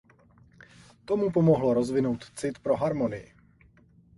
To mu pomohlo rozvinout cit pro harmonii.